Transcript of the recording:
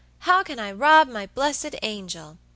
how can I rob my blessed angel?'